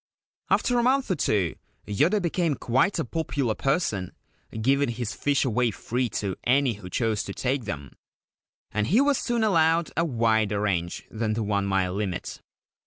After a month or two Yoda became quite a popular person, giving his fish away free to any who chose to take them, and he was soon allowed a wider range than the one mile limit.